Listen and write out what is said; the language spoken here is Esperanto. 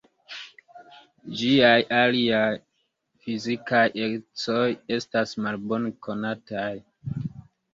Ĝiaj aliaj fizikaj ecoj estas malbone konataj.